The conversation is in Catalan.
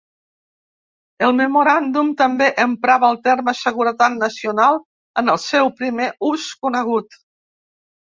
El memoràndum també emprava el terme "seguretat nacional" en el seu primer ús conegut.